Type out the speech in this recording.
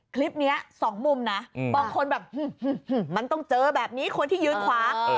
สองมุมนะบางคนแบบมันต้องเจอแบบนี้คนที่ยืนขวา